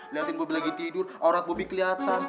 liatin bobi lagi tidur aurat bobi keliatan